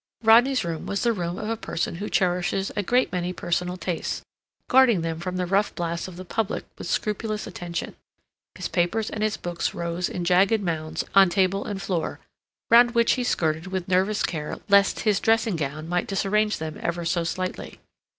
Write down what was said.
Rodney's room was the room of a person who cherishes a great many personal tastes, guarding them from the rough blasts of the public with scrupulous attention. His papers and his books rose in jagged mounds on table and floor, round which he skirted with nervous care lest his dressing gown might disarrange them ever so slightly.